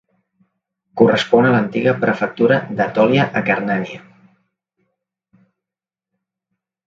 Correspon a l'antiga prefectura d'Etòlia-Acarnània.